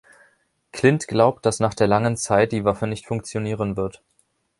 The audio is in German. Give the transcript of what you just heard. Clint glaubt, dass nach der langen Zeit die Waffe nicht funktionieren wird.